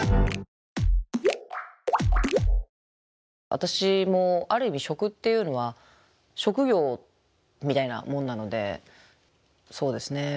私もある意味食っていうのは職業みたいなもんなのでそうですね